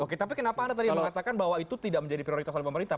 oke tapi kenapa anda tadi mengatakan bahwa itu tidak menjadi prioritas oleh pemerintah